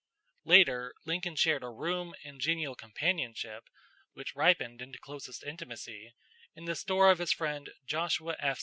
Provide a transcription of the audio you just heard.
Later Lincoln shared a room and genial companionship, which ripened into closest intimacy, in the store of his friend Joshua F.